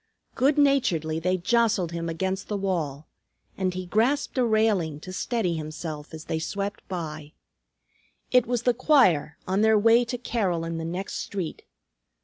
Good naturedly they jostled him against the wall, and he grasped a railing to steady himself as they swept by. It was the choir on their way to carol in the next street.